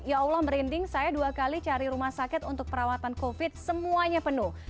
ya allah merinding saya dua kali cari rumah sakit untuk perawatan covid semuanya penuh